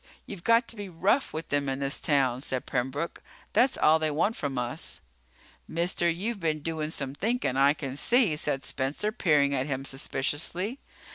You've got to be rough with them in this town," said Pembroke. "That's all they want from us." "Mister, you've been doing some thinkin', I can see," said Spencer, peering at him suspiciously.